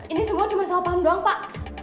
ini semua cuma salah paham doang pak